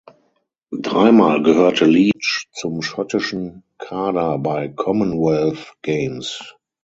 Dreimal gehörte Leitch zum schottischen Kader bei Commonwealth Games.